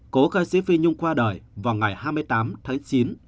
cố ca sĩ phi nhung qua đời vào ngày hai mươi tám tháng chín